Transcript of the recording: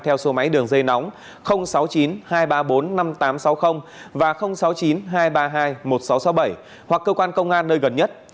theo số máy đường dây nóng sáu mươi chín hai trăm ba mươi bốn năm nghìn tám trăm sáu mươi và sáu mươi chín hai trăm ba mươi hai một nghìn sáu trăm sáu mươi bảy hoặc cơ quan công an nơi gần nhất